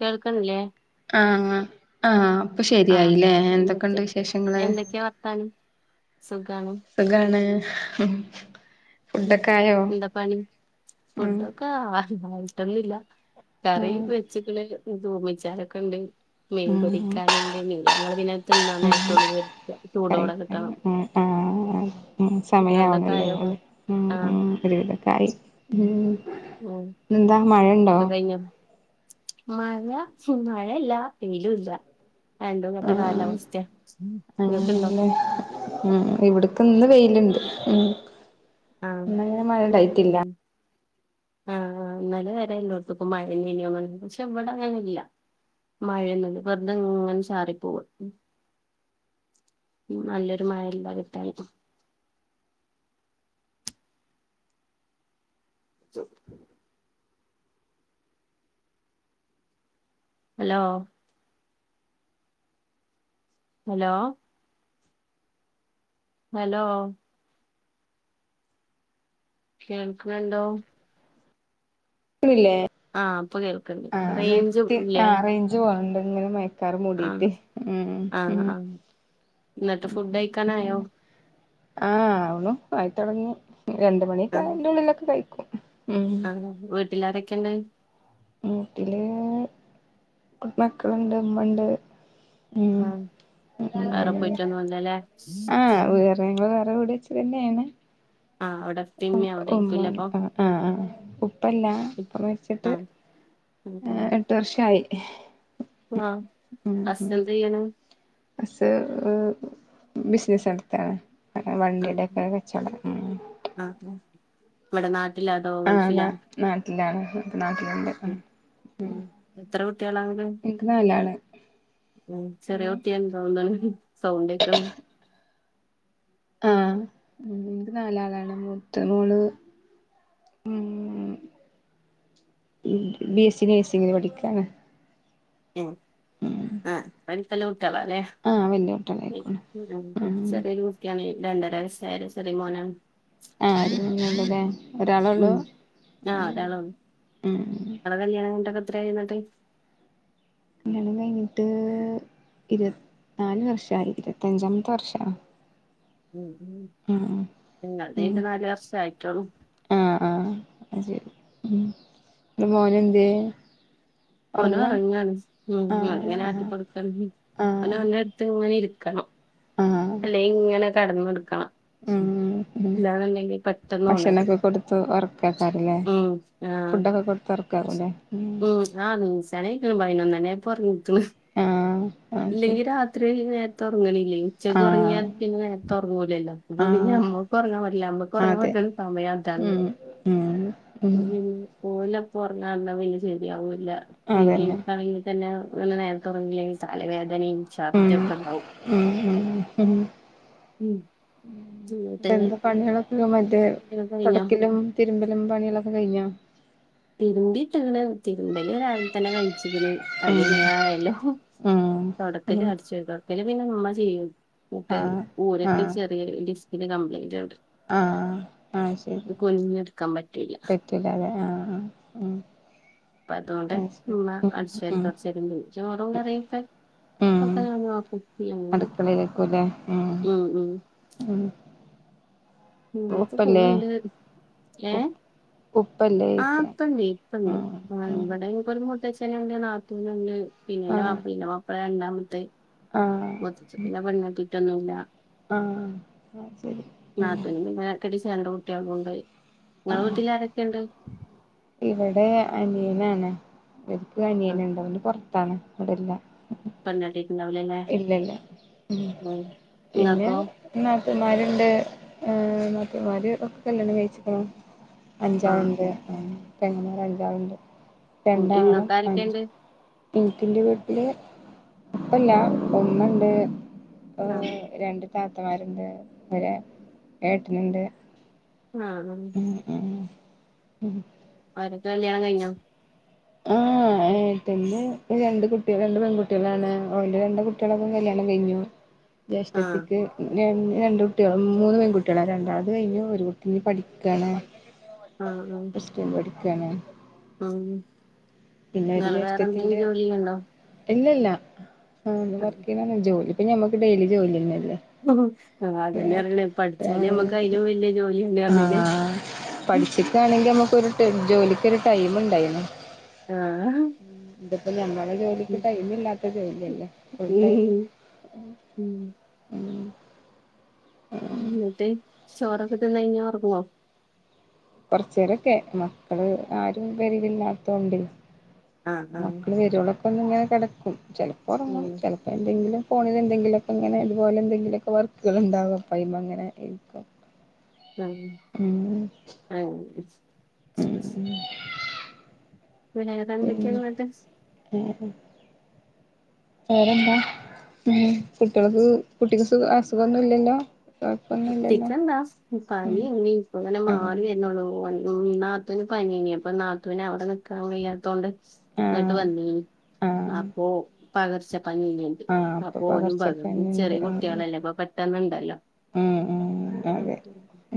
കേൾക്ണില്ലേ ആഹ് ആഹ് ഇപ്പൊ ആഹ് ശരിയായില്ലേ എന്തൊക്കെണ്ട് എന്തൊക്കെയാ വിശേഷങ്ങള് എന്തൊക്കെയാ വർത്താനം. സുഖാണോ സുഖാണ്. ഉം ഫുഡൊക്കെ ആയോ എന്താപണി ഉം ഫുഡൊക്കെ ആ- ഇതായിട്ടൊന്നില്ല കറി വെച്ച്ക്ക്ണ് തൂമിച്ചാ [unintelligible] നൊക്കെ ഇണ്ട്. മീൻ ഉം പൊരിക്കാന്ണ്ട് ന് നി ഞങ്ങള് പിന്നെ തിന്നാൻ നേരുത്തെയുള്ളൂ പൊരിക്ക ചൂടോടെ കിട്ടണം. ഏ നിങ്ങൾതൊക്കെ സമയവണല്ലോ ആയോ ഉം ഉം ആഹ് ഉം ഒരു വിധൊക്കായി ഉം എന്താ മഴയ് ഇപ്പ കഴിഞ്ഞോ മഴ ഉം മഴയില്ല വെയിലും ഇല്ല. രണ്ടും കെട്ട ആഹ് കാലാവസ്ഥയാ നിങ്ങക്കുണ്ടോ അങ്ങനെല്ലേ ഉം ഇവിട്ക്ക് ഇന്ന് വെയില്ണ്ട് ഉം. ആഹ് ഇന്നങ്ങനെ മഴ ഇണ്ടായിട്ടില്ല ഉം ആഹാ നല്ലല്ലോട [unintelligible] ത്തക്കും മഴ ഴേ നെന്നു പക്ഷെ ഇവടെ അങ്ങനില്ല. മഴയൊന്നുല്ല വെറ്തെങ്ങനെ ചാറി പോവുവാ നല്ലൊരു മഴ ഇല്ല കിട്ടാന്. [unintelligible] ഹലോ ഹലോ ഹലോ കേൾക്ക്ണ്‌ണ്ടോ? ക്ക്ണില്ലേ ആഹ് ഇപ്പൊ കേൾക്ക്ണ്ട് റെയ്ഞ്ചും ഇല്ലേ ഞ്ച് പോണുണ്ട് ഇങ്ങനെ മഴക്കാറ് ആഹ് മൂടീട്ട് ഉം ആഹ് ഉം ആഹ് എന്നിട്ട് ഫുഡ് കഴിക്കാനായോ ഉം ആഹ് ആവുണു ആയിത്തൊടങ്ങി ആഹ് രണ്ട്മണിക്കയ്ൻ്റുള്ളിലൊക്കെ കഴിക്കും ഉം ആഹ് വീട്ടിലാരൊക്കെ ഇണ്ട്? വീട്ടില് മക്കള്ണ്ട്, ഇമ്മണ്ട് ഉം വേറെ പോയിട്ടൊന്നുല്ലല്ലേ ഇപ്പ ഞങ്ങള് വേറെ വീട് വെച്ച് തന്നേണ് ആഹ് അവടെ ഉം ഉമ്മാ ഒണ്ട് ആഹ് ആഹ് ആഹ് ഉപ്പല്ല പപ്പ മരിച്ചിട്ട് ആഹ് ഏഹ് ആഹ് എട്ടു വർഷായി ആഹ് ഉം ഉം ഹസെന്തെയ്യ്ണ് ഹസ് ഈഹ് ബിസിനസ്‌ നടത്താണ് ആഹ് വണ്ടിടെക്കെ കച്ചോടം ആഹ് ഉം ഇവടെ നാട്ടിലോ അതോ ആഹ് നാ ഗൾഫിലാ നാട്ടിലാണ് ഇപ്പാ നാട്ടിലുണ്ട് ഉം എത്ര കുട്ടികളാ അനക്ക് എനിക്ക് നാലാള് ഉം ചെറിയ ഉം കുട്ടിയാന്ന് തോന്നാണ് സൗണ്ട് കേക്കാണ് ആഹ് എനിക്ക് നാലാളാണ് മൂത്ത മോള് ഉം ബി എസ് സി നഴ്സിങ്ങിന് പഠിക്കാണ് ഉം ആഹ് [unintelligible] കുട്ടിയാളല്ലേ ആഹ് വല്യ കുട്ടികളായിക്ക്ണ് [unintelligible] ഉം ചെറിയൊരുട്ട്യാണേ രണ്ടര വയസ്സായ ഒരു ചെറിയ മോനാണ് [unintelligible] ഒരാളെള്ളൂ ഉം ഉം ങ്ങളെ കല്യാണം കഴിഞ്ഞിട്ടൊക്കെ എത്രയായി ന്നിട്ട് കല്യാണം കഴിഞ്ഞിട്ട് ഇരുപത്ത് നാല് വർഷായി ഇരുവത്തഞ്ചാമത്തെ വർഷ ഉം ഉം ങ്ങള്ടാ ഉം കഴിഞ്ഞിട്ട് നാല് വർഷായിട്ടൊള്ളൂ ആഹ് ആഹ് അയ്ശേരി മോൻ എന്ത്യേ ഓൻ ഒറങ്ങാണ് ഉം ഞാൻ ഇങ്ങനെ ആഹ് ആഹ് ആട്ടിക്കൊടുക്കണം ഓന് ആഹ് ഓന്റെ അടുത്ത് ഇങ്ങനെ ഇരിക്കണം ആഹ് അല്ലെ ഇങ്ങനെ കിടന്നൊടുക്കണം ഉം ഉം ഭക്ഷണൊക്ക കൊടുത്തു ഉറക്കക്കാറില്ലേ ഉം ആഹ് ഫുഡ്‌ ഒക്കെ കൊടുത്ത് ഉറ ക്കാറില്ലേ ഉം ആഹ് [unintelligible] പായിനൊന്നണി ആയപ്പോ ഉറങ്ങിക്ക്ണ് ആഹ് ആഹ് ശരി ഇല്ലെങ്കി രാത്രി നേർ ത്ത ഉറങ്ങണില്ലേ ഉച്ചക്ക് ഉറങ്ങിയാ ആഹ് പിന്നെ നേരത്തെ ഉറങ്ങൂലല്ലോ ഇപ്പാ പിന്നെ ആഹ് മ്മക്ക് ഉറങ്ങാൻ പറ്റില്ല മ്മക്ക് ഉറങ്ങാൻ അതെ പറ്റണ സമയം അതാണ് ഉം ഉം ഉം ഒലപ്പോ ഉറങ്ങാണ്ടാവൂല ശെരിയാവൂല പിന്നെ അതന്നെ എനിക്കാണെങ്കി തന്നെ ഇങ്ങനെ നേരത്ത ഉറങ്ങിലെങ്കിൽ തലവേദനയും ഉം ശർദ്ധി ഒക്കെ ഉണ്ടാവും ഉം ഉം ഉം ഉം ഉം എന്നിട്ട് എന്താ പണികളൊക്കെ മറ്റേ കുളിയൊക്കെ കഴിഞ്ഞോ തൊടക്കലും തിരുമ്പലും പണികളൊക്കെ കഴിഞ്ഞോ തിരുമ്പിട്ടാണ് തിരുമ്പല് രാവിലെ തന്നെ കഴിച്ചിക്ക്ണ് അല്ല ഉം ഇങ്ങ ആയാലും ഉം തുടക്കല് ഉം അടിച്ച് തുടക്കല് പിന്നെ ഉമ്മാ ചെയ്യും ക്കെ ആഹ് ഓരൊക്കെ ആഹ് ചെറിയ ഡിസ്കിന്റെ കംപ്ലയിന്റോണ്ട് ആഹ് ആഹ് ശരി കുനിഞ്ഞെടുക്കാൻ പറ്റൂല്ല പറ്റില്ല അതെ ആഹ് ആഹ് ഉം അപ്പ അതുകൊണ്ട് അത് ശരി ഉമ്മാ ഉം അടിച്ച് വാരി ഉം തുടച്ചനും പോവും ചോറും കറിയൊക്കെ ഉം ഒക്കെ നമ്മള് ആക്കും [unintelligible] അടുക്കളയിലേക്കൂല്ലേ ഉം ഉം ഇനിപ്പാ ഉപ്പല്ലേ പോവുണ്ട് ഉ ഏഹ് ഉപ്പല്ലേയ്ക്ക ആഹ് ഇപ്പണ്ടെ ഇപ്പണ്ട് ആഹ് ഇവടെ ഇന്ക്കൊര് മൂത്ത ച്ചനുണ്ട് നാത്തൂനുണ്ട് പിന്നെ ഇന്റെ ആഹ് മാപ്പളിണ്ട് മാപ്പളെ രണ്ടാമത്തെ ആഹ് ആഹ് മൂത്തച്ചൻ പിന്നെ പെണ്ണ് കെട്ടിട്ടൊന്നുല്ല ആഹ് ആഹ് ശരി ഉം നാത്തൂനിം പിന്നെ കെട്ടിച്ച് രണ്ട് കുട്ട്യാളുണ്ട് ഇങ്ങളെ വീട്ടില് ആരൊക്കെണ്ട് ഇവടെ അനിയനാണ് ഇവലക്ക് ആ അനിയന്ണ്ട് അവന് പൊറ്ത്താണ് ഇവടെ ഇല്ല പെണ്ണെട്ടീട്ട് ഇണ്ടാവുല്ലല്ലേ ഉം ഇങ്ങക്കോ നാത്തൂന്മാര്ണ്ട് ഏഹ് നാത്തൂന്മാര് ഒ കല്യാണം കഴിച്ച്ക്ക്ണു ആ അഞ്ചാളുണ്ട് ആഹ് പെങ്ങമാര് അഞ്ചാളുണ്ട് ഉം രണ്ടാണും ഇങ്ങക്ക് അഞ്ച് ആരൊക്കെയുണ്ട് ഇന്‌ക്ക് ഇന്റെ വീട്ടില് ഇപ്പല്ല ഉമ്മണ്ട് ആ ഓഹ് രണ്ട് താത്തമാര്ണ്ട് ഒരാ ഏട്ടനുണ്ട് ആഹ് ഉം ഉം അവരെക്കെ കല്യാണം കഴിഞ്ഞോ ആഹ് ഏട്ടന്റെ രണ്ട് കുട്ടിയാ രണ്ട് പെൺകുട്ടികളാണ് ഓന്റെ രണ്ട് കുട്ടിയളെക്കെ കല്യാണം കഴിഞ്ഞു ഉ ജ്യേഷ്ഠത്തിക്ക് ഉം ര രണ്ട് കുട്ടിയളും മൂന്ന് പെൺകുട്ടിയളാ രണ്ടാള്ത് കഴിഞ്ഞു ഒരു കുട്ടിഞ്ഞ് പഠിക്കാണ് ആഹ് ഉം റ്റം പഠിക്കാണ് ഉം പിന്നെ ഒരു ഇങ്ങള് വേറെ എന്തെങ്കിലും ജ്യേഷ്ഠത്തിന്റെ ജോലി ചെയ്യ്ണ്ടോ ഇല്ലല്ല ആഹ് വർക്ക്നർഞ്ഞെ ജോലിപ്പം ഞമ്മക്ക് ഡെയിലി ജോലിയന്നല്ലേ ആഹ് അതന്നെ പറ്ഞ്ഞെ പഠിച്ചാല് അമ്മക്കയിലും വെല്ല്യ ജോലിയന്നെ പർഞ്ഞീല്ലേ പഠിച്ച്ട്ടാണെങ്കി അമ്മക്കൊര് ടെ ജോലിക്കെര് ടൈമ് ഇണ്ടായിനി ആഹ് ഉം ഇത് പ്പം ഞമ്മളെ ജോലിക്ക് ടൈമ് ഇല്ലാത്ത ജോലിയല്ലേ ഫുൾ ടൈമ് ഉം ഉം ഉം ഇന്ന്ട്ട് ചോറൊക്കെ തിന്നഴിഞ്ഞ് ഒറങ്ങോ കൊറ്ച്ചേരൊക്കെ മക്കള് ആരും പെരേല് ഇല്ലാത്തോണ്ടെ ആഹ് ആഹ് മക്കള് വെരോളൊക്കൊന്ന്ങ്ങനെ കെടക്കും ചെലപ്പോ ഒറങ്ങും ചെല എന്തെങ്കിലും ഫോണില് എന്തെങ്കിലൊക്കെ ഇങ്ങനെ ഇതുപോലെ എന്തെങ്കിലൊക്കെ വർക്കള് ഇണ്ടാവാ അപ്പ അയിമ്മങ്ങനെ ഇരിക്കും ഉം [unintelligible] ഏഹ് [inaudible] പിന്നെ [unintelligible] ഏഹ് വേറെന്താ ഉം കുട്ട്യോ‌ള്ക്ക് കുട്ടിക്ക് സുഖ അസുഖൊന്നുല്ലല്ലോ കുട്ടിക്കെന്താ ഉം പനിയേനി ഇപ്പങ്ങനെ മാറി ആഹ് വെര് നൊള്ളൂ അന് ഉം നാത്തുന് പനിയേനി അപ്പ നാത്തുന് അവടെ നിക്കാൻ വെയ്യാത്തോണ്ട് ഇങ്ങട്ട് ആഹ് വന്നീനി ആഹ് അപ്പൊ പകർച്ച പനിയേനി ആഹ് അപ്പൊ ഓനും പകർന്ന് പകർച്ചപ്പനിണ്ട് ചെറിയ ആഹ് കുട്ട്യാളല്ലേ അപ്പം പെട്ടന്ന്ണ്ടല്ലോ ഉം ഉം അതെ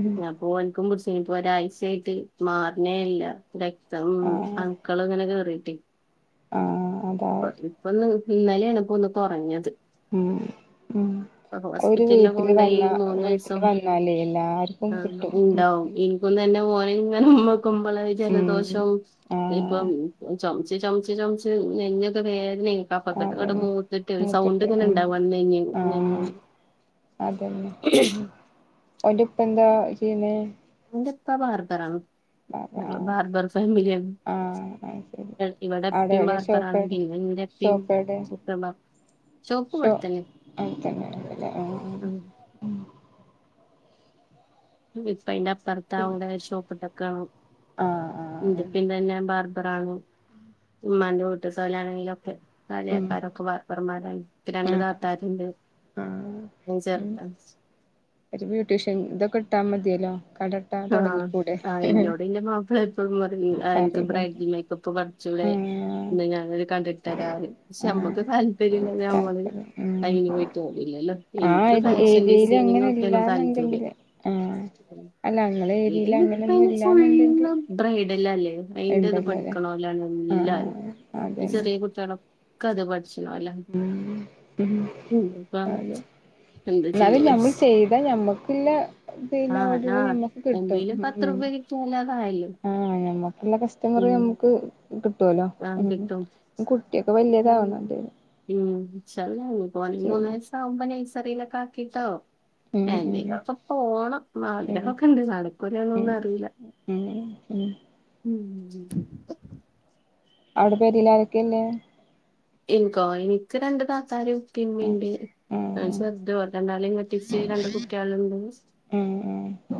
ഉം അപ്പൊ ഓന്ക്കും പുട്ച്ചീനി ഇപ്പോ ഒരാഴ്ചയായിട്ട് മാറ്ണേല്ല രക്തം ആഹ് അണ്ക്കള്ങ്ങനെ കേറിട്ടെ ആഹ് അതാ ഇപ്പത് ഇപ്പൊന്ന് ഇന്നലെയാണ് ഇപ്പൊന്ന് കൊറഞ്ഞത് ഉം ഉം ഒര് ഹോസ്പിറ്റലിലൊക്കെ വീട്ടില് കൊണ്ടോയി വന്നാ മൂന്ന് വീട്ടില് ദിവസം വന്നാലേ എല്ലാര്ക്കും കിട്ടും ഉം പ്പ തന്നെ ഓനെ ഇങ്ങന്നെ ഉമ്മക്കുമ്പളെ ഉം ജലദോഷം ആഹ് ഇപ്പം ചൊമ ച്ച് ചൊമച്ച് ചൊമച്ച് നെഞ്ഞൊക്കെ വേദനേനി കഫക്കെട്ട്ങ്ങട് അതന്നെ മൂത്ത്ട്ട് സൗണ്ട് മൂത്തത് ഉം ഇങ്ങനെണ്ടാവാ നെഞ്ഞിന് നെഞ്ഞിന് ആഹ് അതന്നെ ഓന്റെ പ്പ എന്താ ചെയ്യ് ന്നേ. ഓന്റെ പ്പാ ബാർബറ ആഹ് ഞങ്ങൾ ബാർബർ ഫാമിലിയാണ്. ആഹ് അത് ശരി ഇവിടെ അവിടെ ഇപ്പിം എവിടെ ബാർബറാ ഷോപ്പ് എവിടെ പിന്നെ എന്റെപ്പിം ഷോപ്പ് എവിടെ [unintelligible] ഷോ എനിക്കങ്ങെന്നൂല്ല. [inaudible] ഇപ്പൊ അതിൻ്റ അപുറത്ത് അവടെ ഷോപ്പ്ട്ടക്കണ്. ആഹ് എന്റെ ആഹ് ഇപ്പിം തന്നെ ബാർബറാണ്. ഉമ്മാന്റ വീടി തോലണകിലും ഒക്കെ. ഉം കാല്യാക്കോരൊക്കെ ബാർബർമരയി. ഇക് രണ്ട് ആഹ് താത്താരുട് ആഹ് ന് ഉം ചൊറുതണ്. ഒരു ബ്യൂട്ടീഷ്യന്റെ തൊക്കെ ട്ടാ മതില്ലോ കട. ഇട്ടാ തൊടങ്ങിക്കൂടെ ആ ഇന്നോട് എന്റെ മാപ്പിള എപ്പോളുംപറയും അനക്ക് പറയില്ലേ ബ്രൈട്ട് മേക്കപ്പ്. ച്ചൂടെ ആഹ് ഇന്നാ ഞന്ന് ഒര് കട ട്ട് തരാന്ന്റും ക്ഷെ നമ്മക്ക് ആഹ് താല്പര്യം ഇല്ലാഞ്ഞ നമള്. താല്പര്യം ഉം അയിന് പോയി തോന്ല്ലല്ലോ. എനിക്ക് ഒരു ഫാഷൻ ഏരിയയിൽ ഡിസൈനിങ് അങ്ങനെ ഒക്കെയാണ് ഇല്ലാന്ന് താല്പര്യം ണ്ടെങ്കില് ആ അല്ല അങ്ങളെ ഏരിയെല് അങ്ങനെന്നും ഇല്ലന്നുണ്ടെങ്ക. ബ്രൈഡലോല ത് അയിന്റെ ഇത് പഠിക്കണോലല്ലാരും. ആഹ് ഇപ്പ അതന്നെ ചെറിയ കുട്ടികള ക ത്പഠിചി ഉം [unintelligible] പ അതെ എന്താ ചെയ്യണ്. താ ഞമ്മക്കുള്ള പിന്നെ ഓർഡർ ആഹ് ഞമ്മക്ക് കിട്ടും. എന്തേലും പത്ത് ഉം [unintelligible] ആഞമ്മ്ക്കുള്ള കസ്റ്റമറ് ഉം ഞമ്മക്ക്. കിട്ടോല്ലോ ആഹ് ഉം കിട്ടും കുട്ടിയൊക്കെ ഉം വലിയതാവണം. ഉം ഇന്ഷാ അല്ലാഹ് പ്പ ഓന് മൂന്ന് വയസ് കുമ്പോ നൈസറിയിലൊക്കെകിട്ടോ? ഉം ഉം എന്റെ കിലൊക്കെ ഉം പോണംന്നഗ്രഹക്കെ ണ്ട് ഉം നടകുല്ലേനൊന്നുഅറീല. ഉം ഉം ഉമ്മ് അവ്ടെ പോരില് ആരൊക്കെല്. എനിക്കോ നിക്ക് രണ്ട് താത്താരും. ഇപ്പിംഇമ്മിംണ്ട് ഉം ഞൻ ചൊറുത് അവരെ രണ്ടളിം കൊടിച് രണ്ട് കുട്ടി ള്ട്. ഉം ഉം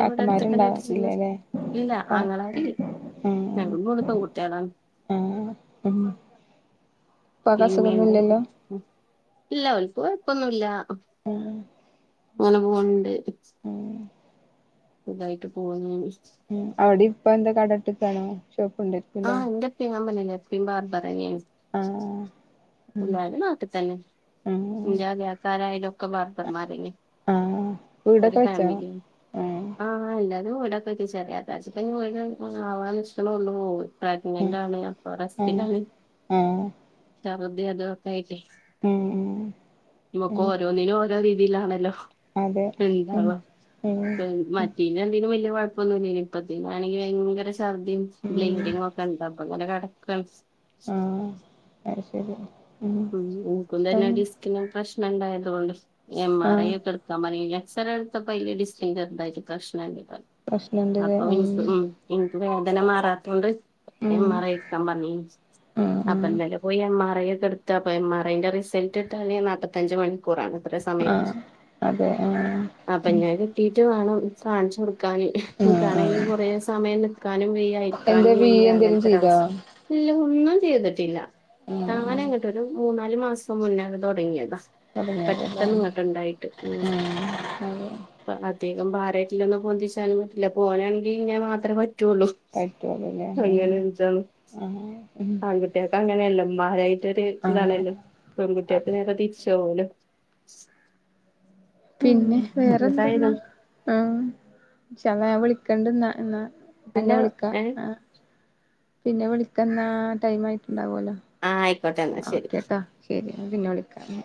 ഇവിടെ അടുത്ക്കെന്നെ കെട്ടിച്ക്ക്ണ് ഇല്ല. കാ ആങ്ങളാരി ഞങ്ങള് മൂന്നു പെൺ കുട്യാള. ഏഹ് ഉം ഇപ്പിം ഉപ്പാക്ക് ഇമ്മിംണ്ട് അസുഖൊന്നുല്ലല്ലോ ഉം ഇല്ല ഓൽക്ക് കൊഴപ്പൊന്നുല്ല. ഏഹ് അങ്ങനെ പോവ്ണ്ട്. ഉം സുഖായിട്ട് പോവുന്ന്. ഉം അവിടെ ഇപ്പ എന്താ കടട്ക്കാണോ ഷോപ്പ് ഉണ്ട്. ആഹ് ന്റെപ്പിം ഞാൻ പറഞ്ഞിലെ ഇപ്പിം ബാർബേറെന്നേണ്. ആഹ് ഉം എല്ലാരും നാട്ട്തന്നെ. ഉം ഇന്റെ ആള്യക്കാരായലൊക്കെ ബാർബർന്മാരേനി. ആഹ് വീടൊക്കെ വെച്ചോ? ആഹ് ആഹ് എല്ലാരും വീടൊക്കെ വെച്ചു. ചെറിയത്താക്ക് പ്പഞ്ഞി വീട് ആവാൻനിഷ്ക്ക് നൊള്ളു. ഉം പ്രഗ്നെന്റാണ് അപ്പൊ ഉം റസ്റ്റിലാണ്. ആഹ് ഛർദി അതൊക്കെ ആയിട്ടേ. ഉം ഉം നമുക്ക് ഉം ഓരോന്നിനും ഓരോ രീതിയിലാണല്ലോ? അതെ ഉം രണ്ടാളും ഉം മ പിന്നെ എന്തേിനും വല്യ കുഴപ്പൊന്നൂല്ലെന്നു ഇപ്പതീനാണെങ്കി ഭയങ്കര ശർദിയും. ഉം ബ്ലീഡിങ്ങൊക്കെ. കടന്താപ്പ അങ്ങനെ കെടക്കാണ്. അഹ് ശെരി. ഉം ൻക്കും തന്നെ ഡിസ്കിന് പ്രശ്നം ഉണ്ടായതോണ്ട്. എം ആർ ഐ ആഹ് ഒക്കെ ഇട് [unintelligible] എക്സ് റേ ഇ ട് തപ്പോ ഡിസ്കിന് പ്രശ്നണ്ട് പ്രശ്നണ്ട്ല്ലേ അപ്പൊ ഉം [unintelligible] ഇൻക്ക് വേദന മാറാത്തൊണ്ട്. എം ഉം ആർ ഐ ഇട്ക്കാൻ പറിഞീനി ഉം ഉം അപ്പൊന്നലെ പോയി എം ആർ ഐ ഒക്കെ ഇടു ത്താപ്പം എം ആർ ഐ ന്റെ റിസൾട്ട്ട്ടാന് നാപ്പത്തഞ്ച് മണി ക്കൂറാണത്രെ സമയം ആഹ് അതെ ആഹ് അപ്പഞ്ഞത് കിട്ടീട്ട് വാണം കാൺച്ചൊട്ക്കാന് ആഹ് ൻക്കാണെങ്കി ആഹ് കൊറേ സമയം ന്ക്കാനും വെയ്യാ എന്താ ഇരിക്കാനും വീ വെയ്യാ എന്തേലും ചെയ്തോ അങ്ങൻത്താെരവസ് ഇല്ല ഒന്നും ചെയ്തിട്ടില്ല ഉം ഉം തങ്ങനങ്ങട്ട് ഒര് മൂന്നാല് മാസം മുന്നേണ്ട് താെടങ്ങിയതാ തുടങ്ങിയതല്ലേ പെട്ടെന്ന് ങ്ങെട്ട്ണ്ടായിട്ട് ഉം അതെ അധികം ബാരേറ്റില്ലതൊന്നും പൊന്തിച്ചാനും പറ്റില്ല ഇപ്പാേനാണെങ്കി ഇന്നെ മാത്രേ പറ്റു ഒള്ളൂ പറ്റോള്ളൂലേ ഉം ആഹ് ഉം കുട്ട്യാക്കങ്ങനെയല്ലാെ മ്മാരായ്റ്റാെര് ആഹ് താണല്ലോ പെങ്കുട്ട്യാക്ക് അതെ നേരെ തിര്ച്ചാവോലോ പിന്നെ ഉം വേറെന്തെന്നാ ഏതായാലും ആഹ് ഇന്ഷാ അല്ലാഹ് ഞാൻ വിളിക്കണ്ട്ന്നാ ഇന്നാ അല്ല പിന്നെ വിളിക്കാ ഏ ആഹ് പിന്നെ വിളിക്കെന്നാ ടൈമായിട്ട്ണ്ടാവാെല്ലോ ആഹ് ആയിക്കോട്ടെ എന്നാ ന്നാ ശരി ഓക്കെട്ടാ ശെരി ഞാൻ പിന്നെ വിളിക്കാ